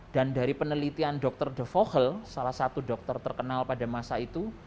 dan dari penelitian dokter de vogel salah satu dokter terkenal pada masa itu